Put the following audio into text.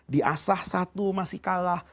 diasah satu masih kalah